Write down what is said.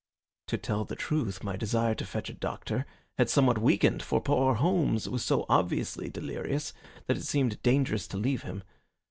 To tell the truth, my desire to fetch a doctor had somewhat weakened, for poor Holmes was so obviously delirious that it seemed dangerous to leave him.